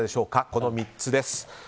この３つです。